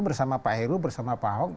bersama pak heru bersama pak ahok